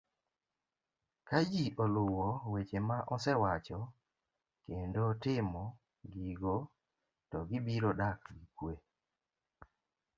Ka ji oluwo weche ma asewacho kendo timo gigo to gibiro dak gi kue